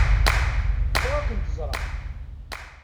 Bɣiɣ ad kent-ẓṛeɣ.